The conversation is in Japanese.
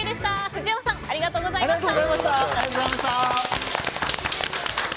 藤山さんありがとうございました。